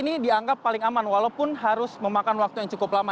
ini dianggap paling aman walaupun harus memakan waktu yang cukup lama